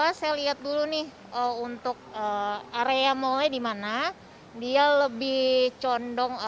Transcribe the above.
orang tua saya lihat dulu nih untuk area malnya di mana dia lebih condong